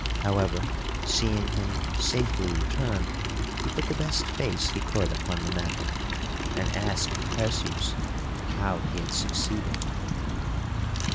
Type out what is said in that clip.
However, seeing him safely returned, he put the best face he could upon the matter and asked Perseus how he had succeeded.